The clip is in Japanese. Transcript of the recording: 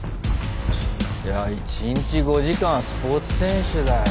いや１日５時間はスポーツ選手だよ。